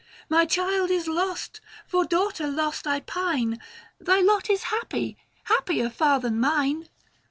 My child is lost : for daughter lost I pine ; 585 Thy lot is happy — happier far than mine